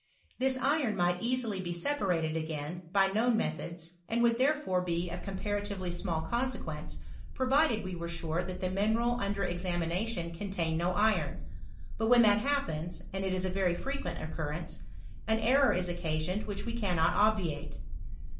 This iron might easily be separated again by known methods, and would therefore be of comparatively small consequence, provided we were sure that the mineral under ex amination contained no iron ; but when that hap pens (and it is a very frequent occurrence), an error IS occasioned which we cannot obviate.